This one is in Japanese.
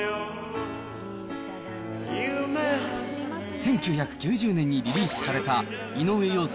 １９９０年にリリースされた、井上陽水